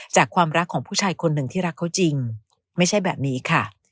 จากความรักของผู้ชายคนหนึ่งที่รักเขาจริงไม่ใช่แบบนี้ค่ะ